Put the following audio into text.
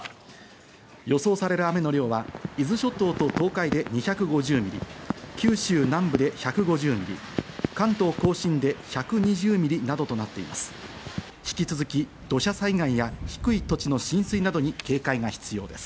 予想される雨の量は伊豆諸島と東海で２５０ミリ、九州南部で１５０ミリ、関東甲信で１２０ミリなどとなっています。